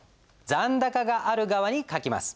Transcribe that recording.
残高がある側に書きます。